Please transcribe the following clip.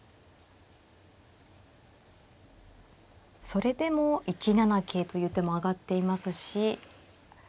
それでも１七桂という手も挙がっていますし。